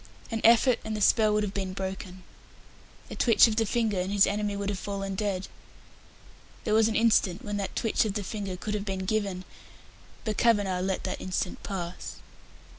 An effort, and the spell would have been broken. A twitch of the finger, and his enemy would have fallen dead. There was an instant when that twitch of the finger could have been given, but Kavanagh let that instant pass.